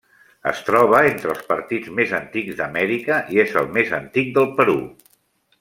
Es troba entre els partits més antics d'Amèrica i és el més antic del Perú.